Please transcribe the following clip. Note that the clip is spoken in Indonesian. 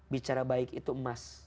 bicara baik itu emas